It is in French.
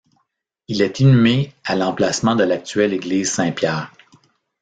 Il est inhumé à l'emplacement de l'actuelle église Saint-Pierre.